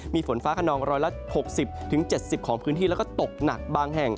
มีฝนฟ้าขนองร้อยละ๖๐๗๐ของพื้นที่แล้วก็ตกหนักบางแห่ง